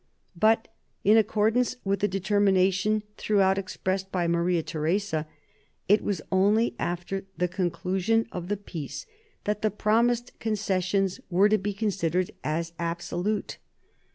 But, in accordance with the determination throughout ex pressed by Maria Theresa, it was only after the con clusion of the peace that the promised concessions were to be considered as absolute.